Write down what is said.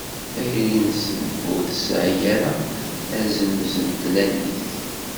Tayri-nsen ur tesɛi ara azemz n tlalit.